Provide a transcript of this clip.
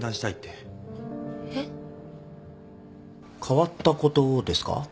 変わったことですか？